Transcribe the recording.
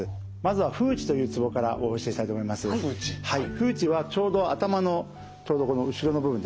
風池はちょうど頭のちょうどこの後ろの部分ですね。